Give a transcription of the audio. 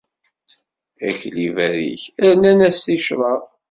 Akli berrik, rnan-as ticraḍ.